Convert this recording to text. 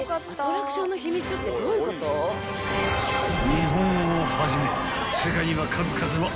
［日本をはじめ］